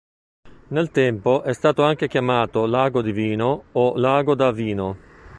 Nel tempo è stato anche chiamato "Lago Divino" o "Lago da Vino".